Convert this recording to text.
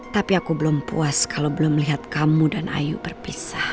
tapi aku belum puas kalau belum melihat kamu dan ayu berpisah